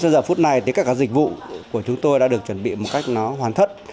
giờ phút này các dịch vụ của chúng tôi đã được chuẩn bị một cách hoàn thất